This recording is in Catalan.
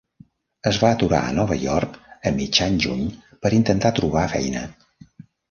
Es va aturar a Nova York a mitjan juny per intentar trobar feina.